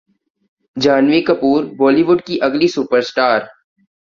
Jhanvi Kapoor Bollywood کی اگلی super star